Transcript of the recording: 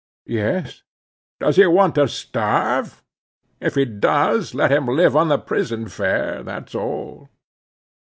"Yes." "Does he want to starve? If he does, let him live on the prison fare, that's all."